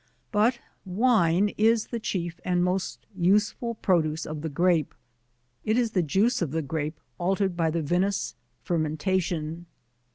But WINE is the chief and most useful produce of the Grape. It is the juice of the Grape altered bj the vinous fermentation.